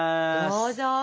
どうぞ。